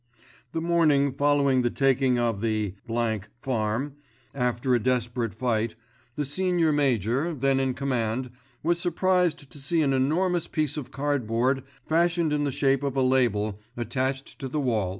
The morning following the taking of the B——n Farm after a desperate fight, the Senior Major, then in command, was surprised to see an enormous piece of cardboard fashioned in the shape of a label, attached to the wall.